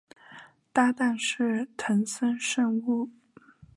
搭挡是藤森慎吾。